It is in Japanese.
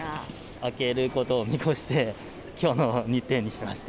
明けることを見越して、きょうの日程にしました。